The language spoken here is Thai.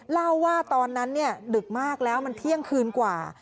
เล่าว่าตอนนั้นดึกมากแล้วมันเที่ยงคืนกว่า